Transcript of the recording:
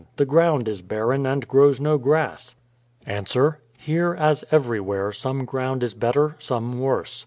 The ground is barren, and grows no grass. Ans : Here, as everyv/here, some ground is better, some worse.